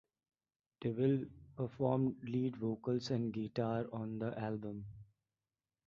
Deville performed lead vocals and guitar on the album.